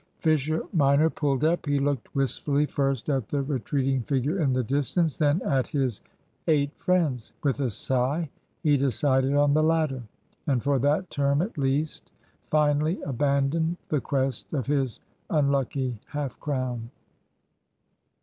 Fisher minor pulled up. He looked wistfully first at the retreating figure in the distance, then at his eight friends. With a sigh he decided on the latter; and for that term, at least, finally abandoned the quest of his unlucky half crown.